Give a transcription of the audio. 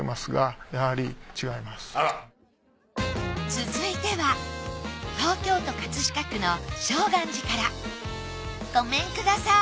続いては東京都葛飾区のごめんください